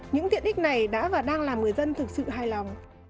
những tiện ích này đã và đang làm người dân thực sự hài lòng